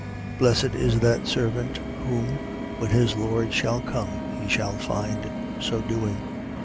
12:43. Blessed is that servant whom, when his lord shall come, he shall find so doing.